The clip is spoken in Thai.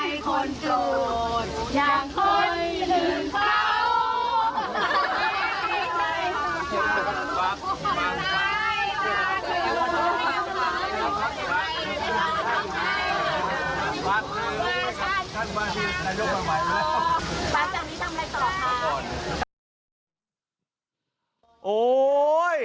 ใส่คนโจทย์อย่างคนหินเขา